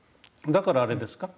だからあれですか